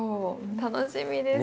楽しみです。